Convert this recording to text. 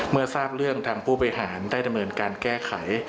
เมื่อทราบเรื่องทางผู้บริหารได้ดำเนินการแก้ไข